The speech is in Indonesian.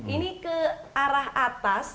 ini ke arah atas